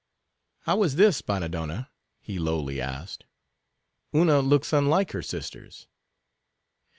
"How is this, Bannadonna?" he lowly asked, "Una looks unlike her sisters."